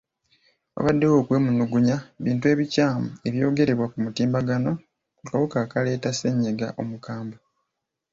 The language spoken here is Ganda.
Wabaddewo okwemulugunya bintu ebikyamu ebyogerebwa ku mutimbagano ku kawuka akaleeta ssennyiga omukambwe.